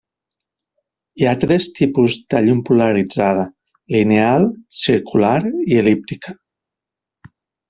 Hi ha tres tipus de llum polaritzada: lineal, circular i el·líptica.